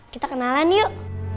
kita kenalan yuk